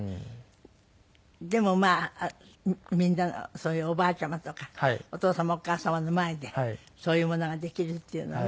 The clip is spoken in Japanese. でもみんなそういうおばあちゃまとかお父様お母様の前でそういうものができるっていうのはね